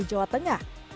di jawa tengah